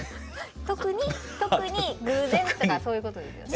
特に偶然とかそういうことですよね。